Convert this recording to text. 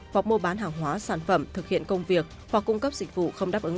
hoặc mua bán hàng hóa sản phẩm thực hiện công việc hoặc cung cấp dịch vụ không đáp ứng